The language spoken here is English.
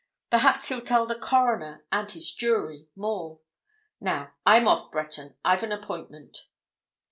Perhaps he'll tell the coroner and his jury—more. Now, I'm off Breton—I've an appointment."